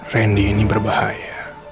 randy ini berbahaya